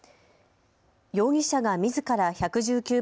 容疑者がみずから１１９番